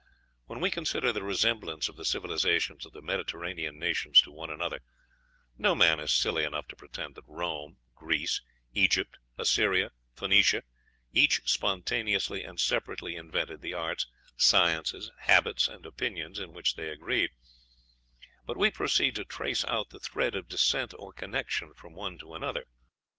When we consider the resemblance of the civilizations of the Mediterranean nations to one another, no man is silly enough to pretend that Rome, Greece, Egypt, Assyria, Phoenicia, each spontaneously and separately invented the arts, sciences, habits, and opinions in which they agreed; but we proceed to trace out the thread of descent or connection from one to another.